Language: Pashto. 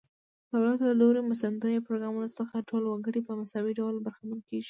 د دولت له لوري مرستندویه پروګرامونو څخه ټول وګړي په مساوي ډول برخمن کیږي.